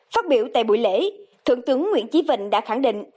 phát biểu tại buổi lễ thượng tướng nguyễn chí vịnh đã khẳng định